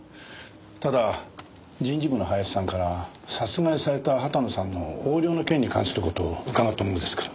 ただ人事部の林さんから殺害された畑野さんの横領の件に関する事を伺ったものですから。